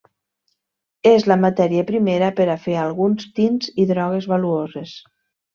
És la matèria primera per a fer alguns tints i drogues valuoses.